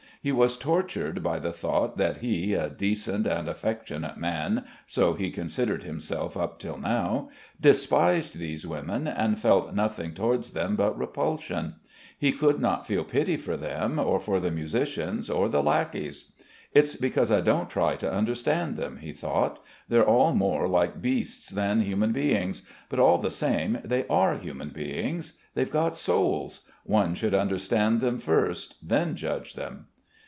He was tortured by the thought that he, a decent and affectionate man (so he considered himself up till now), despised these women and felt nothing towards them but repulsion. He could not feel pity for them or for the musicians or the lackeys. "It's because I don't try to understand them," he thought. "They're all more like beasts than human beings; but all the same they are human beings. They've got souls. One should understand them first, then judge them."